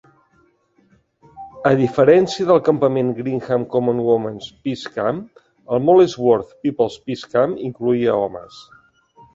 A diferència del campament Greenham Common Women's Peace Camp, el Molesworth People's Peace Camp incloïa homes.